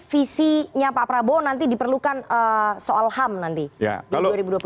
visinya pak prabowo nanti diperlukan soal ham nanti di dua ribu dua puluh empat